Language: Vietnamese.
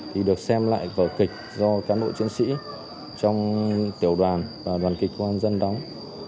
thì được xem lại vở kịch do cán bộ chiến sĩ trong tiểu đoàn và đoàn kịch quân dân đóng